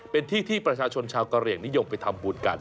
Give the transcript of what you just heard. เป็นที่ที่ประชาชนชาวกะเหลี่ยงนิยมไปทำบุญกัน